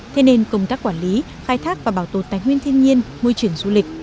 thế nên công tác quản lý khai thác và bảo tồn tài nguyên thiên nhiên môi trường du lịch